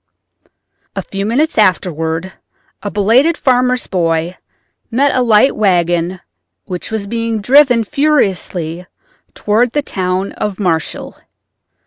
A few minutes afterward a belated farmer's boy met a light wagon which was being driven furiously toward the town of Marshall.